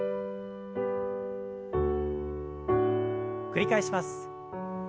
繰り返します。